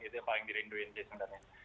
itu yang paling dirinduin